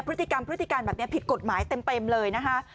พฤติกรรมแบบนี้ผิดกฎหมายเต็มเลยนะคะ